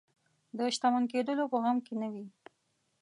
د شتمن کېدلو په غم کې نه وي.